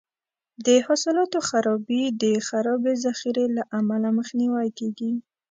د حاصلاتو خرابي د خرابې ذخیرې له امله مخنیوی کیږي.